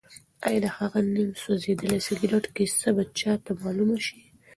ایا د هغه نیم سوځېدلي سګرټ کیسه به چا ته معلومه شي؟